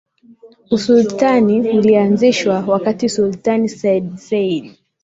Usultani ulianzishwa wakati Sultani Sayyid Said